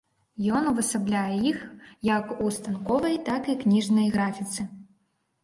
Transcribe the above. Ён увасабляе іх як у станковай, так і кніжнай графіцы.